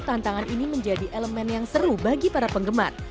tantangan ini menjadi elemen yang seru bagi para penggemar